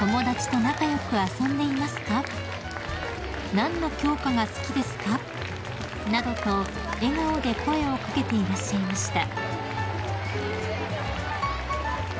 「何の教科が好きですか？」などと笑顔で声を掛けていらっしゃいました］